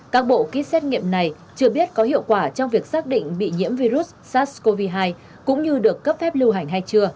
các bộ kit xét nghiệm này chưa biết có hiệu quả trong việc xác định bị nhiễm virus sars cov hai cũng như được cấp phép lưu hành hay chưa